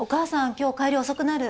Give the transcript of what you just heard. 今日帰り遅くなる。